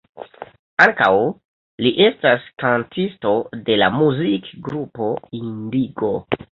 Ankaŭ, li estas kantisto de la muzik-grupo "Indigo".